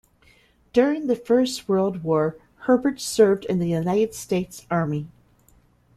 During the First World War, Herbert served in the United States Army.